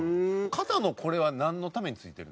肩のこれはなんのためについてるの？